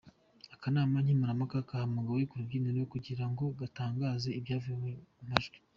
Akanama nkemurampaka gahamagawe ku rubyiniriro kugira ngo gatangaze ibyavuye mu majwi.